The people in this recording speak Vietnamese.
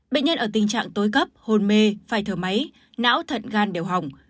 bệnh nhân ở tình trạng tối cấp hôn mê phải thở máy não thận gan đều hỏng